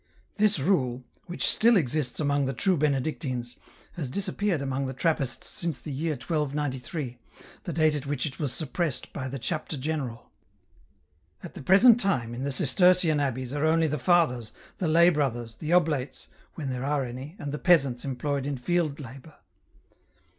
This rule, which still exists among the true Benedictines, has disappeared among the Trappists since the year 1293, the date at which it was suppressed by the Chapter General. *' At the present time, in the Cistercian abbeys are only the fathers, the lay brothers, the oblates, when there are any, and the peasants employed in field labour."